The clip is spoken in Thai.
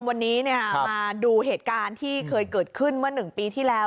วันนี้มาดูเหตุการณ์ที่เคยเกิดขึ้นเมื่อ๑ปีที่แล้ว